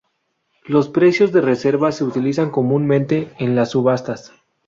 Los precios de reserva se utilizan comúnmente en las subastas.